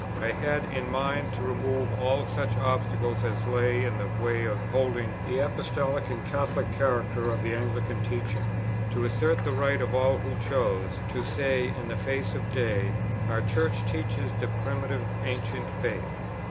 I had in mind to remove all such obstacles as lay in the way of holding the Apostolic and Catholic character of the Anglican teaching; to assert the right of all who chose, to say in the face of day, "Our Church teaches the Primitive Ancient faith."